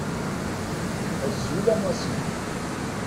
Azul a Massi.